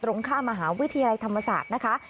ตรงข้ามมหาวิทยาลัยธรรมศาสตร์นะคะ